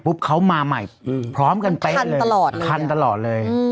ปุ๊บเขามาใหม่พร้อมกันเป๊ะเลยคันตลอดเลยครับคันตลอดเลย